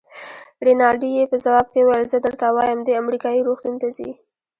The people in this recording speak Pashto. رینالډي یې په ځواب کې وویل: زه درته وایم، دی امریکایي روغتون ته ځي.